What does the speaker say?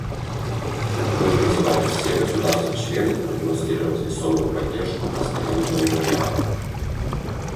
Мы призываем все государства-члены продемонстрировать весомую поддержку постоянного мемориала.